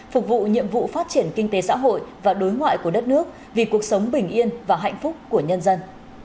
phục vụ nhiệm vụ phát triển kinh tế xã hội và đối ngoại của đất nước vì cuộc sống bình yên và hạnh phúc của nhân dân